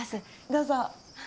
どうぞ。